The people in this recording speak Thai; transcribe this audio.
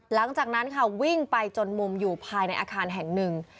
หลังจากนั้นค่ะวิ่งไปจนมุมอยู่ภายในอาคารแห่งหนึ่ง